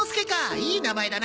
いい名前だな。